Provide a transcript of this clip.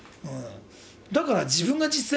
だから自分がへえ。